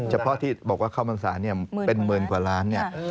เฉพาะที่บอกว่าข้าวพรรษาเป็นหมื่นกว่าล้านเนี่ย